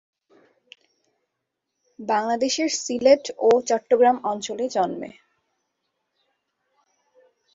বাংলাদেশের সিলেট ও চট্টগ্রাম অঞ্চলে জন্মে।